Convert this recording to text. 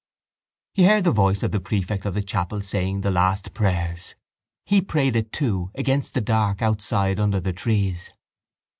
He heard the voice of the prefect of the chapel saying the last prayer. He prayed it too against the dark outside under the trees.